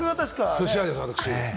寿司屋です、私。